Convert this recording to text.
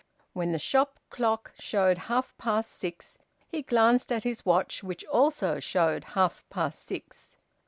When the shop clock showed half past six, he glanced at his watch, which also showed half past six.